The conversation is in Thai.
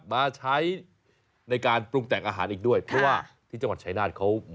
มาใช้ในการปรุงแต่งอาหารอีกด้วยเพราะว่าที่จังหวัดชายนาฏเขา